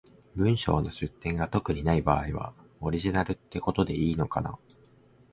文章の出典が特にない場合は、オリジナルってことでいいのかな？